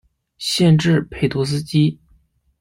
县治佩托斯基。